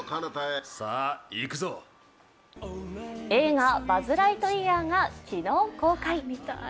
映画「バズ・ライトイヤー」が昨日、公開。